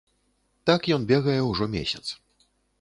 Так ён бегае ўжо месяц.